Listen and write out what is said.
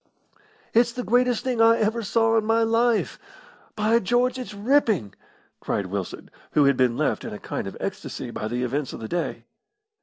"It's the greatest thing I ever saw in my life. By George, it's ripping!" cried Wilson, who had been left in a kind of ecstasy by the events of the day.